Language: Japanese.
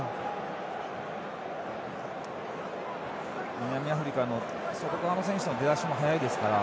南アフリカの外側の選手の出足も速いですから。